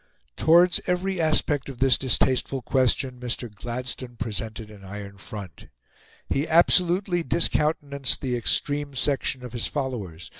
Towards every aspect of this distasteful question, Mr. Gladstone presented an iron front. He absolutely discountenanced the extreme section of his followers.